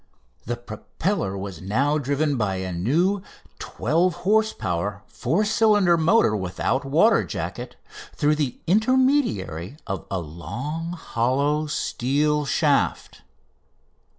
The propeller was now driven by a new 12 horse power four cylinder motor without water jacket, through the intermediary of a long, hollow steel shaft.